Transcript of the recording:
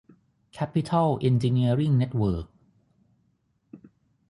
แคปปิทอล เอ็นจิเนียริ่ง เน็ตเวิร์ค